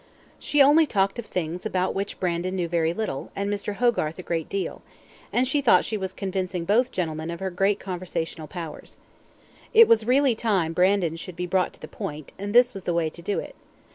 She only talked of things about which Brandon knew very little, and Mr. Hogarth a great deal, and she thought she was convincing both gentlemen of her great conversational powers. It was really time Brandon should be brought to the point, and this was the way to do it.